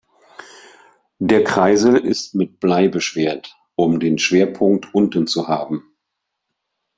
Der Kreisel ist mit Blei beschwert, um den Schwerpunkt unten zu haben.